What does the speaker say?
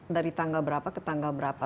dari tanggal berapa ke tanggal berapa